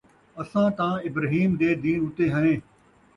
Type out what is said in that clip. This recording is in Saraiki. اَساں تاں اِبراہیم دے دِین اُتے ہیں ،